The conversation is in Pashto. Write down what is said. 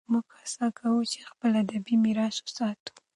موږ هڅه کوو چې خپل ادبي میراث وساتو.